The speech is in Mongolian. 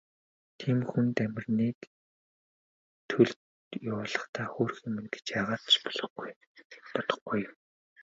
Тийм хүн Дамираныг төлд явуулахдаа хөөрхий минь гэж яагаад ч бодохгүй.